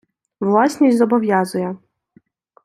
Власність зобов'язує.